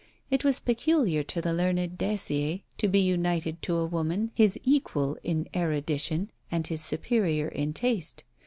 It was peculiar to the learned Dacier to be united to woman, his equal in erudition and his superior in taste.